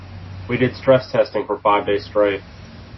We did stress testing for five days straight.